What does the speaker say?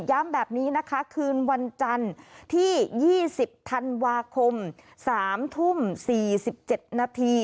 แบบนี้นะคะคืนวันจันทร์ที่๒๐ธันวาคม๓ทุ่ม๔๗นาที